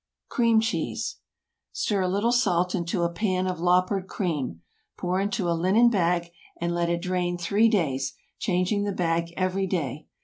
CREAM CHEESE. Stir a little salt into a pan of "loppered" cream. Pour into a linen bag, and let it drain three days, changing the bag every day.